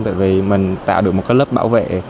tại vì mình tạo được một lớp bảo vệ